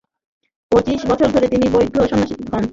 পঁচিশ বছর বয়সে তিনি বৌদ্ধ সন্ন্যাসী হন।